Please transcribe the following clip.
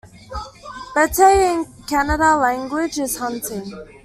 Betae in Kannada language is hunting.